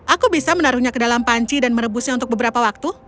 aku bisa menaruhnya ke dalam panci dan merebusnya untuk beberapa waktu